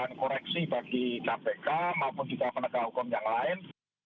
koreksi bagi kpk maupun juga penegak hukum yang lain